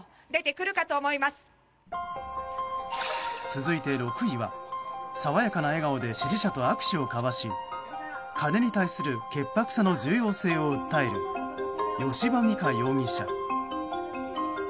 続いて６位は爽やかな笑顔で支持者と握手を交わし金に対する潔白さの重要性を訴える吉羽美華容疑者。